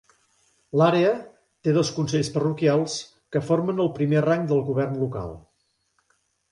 L'àrea té dos consells parroquials que formen el primer rang del govern local.